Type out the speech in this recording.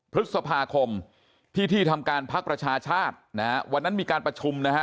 พฤษภาคมที่ที่ทำการพักประชาชาตินะฮะวันนั้นมีการประชุมนะฮะ